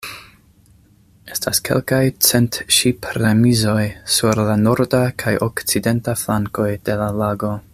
Estas kelkaj cent ŝip-remizoj sur la norda kaj okcidenta flankoj de la lago.